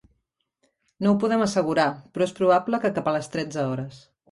No ho podem assegurar, però és probable que cap a les tretze hores.